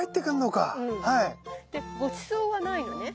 でごちそうはないのね。